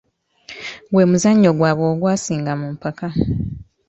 Gwe muzannyo gwaabwe ogwasinga mu mpaka.